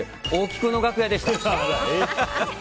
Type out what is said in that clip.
違う楽屋でした。